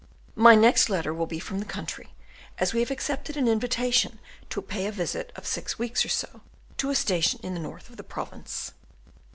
My next letter will be from the country, as we have accepted an invitation to pay a visit of six weeks or so to a station in the north of the province.